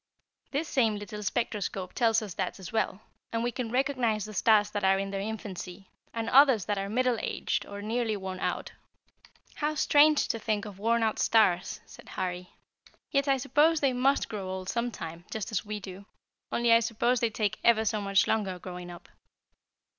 "This same little spectroscope tells us that as well, and we can recognize the stars that are in their infancy, and others that are middle aged or nearly worn out." "How strange to think of worn out stars," said Harry; "yet I suppose they must grow old sometime, just as we do; only I suppose they take ever so much longer growing up."